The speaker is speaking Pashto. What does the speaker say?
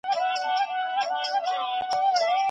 يوازي کتاب لوستل د عمل ځای نه نيسي.